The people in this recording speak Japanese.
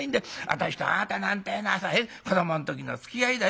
私とあなたなんてえのはさ子どもの時のつきあいだよ。